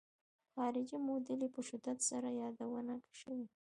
خارجي موډل یې په شدت سره یادونه شوې.